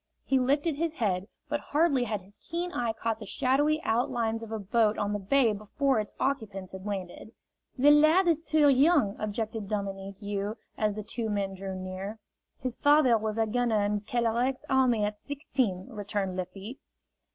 He lifted his head, but hardly had his keen eye caught the shadowy outlines of a boat on the bay before its occupants had landed. "The lad is too young," objected Dominique You, as the two men drew near. "His father was a gunner in Kelerec's army at sixteen," returned Lafitte.